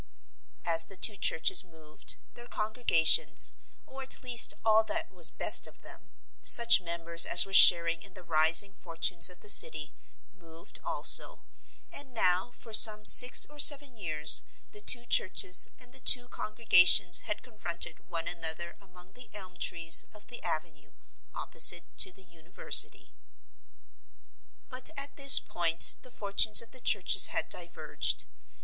As the two churches moved, their congregations, or at least all that was best of them such members as were sharing in the rising fortunes of the City moved also, and now for some six or seven years the two churches and the two congregations had confronted one another among the elm trees of the Avenue opposite to the university. But at this point the fortunes of the churches had diverged.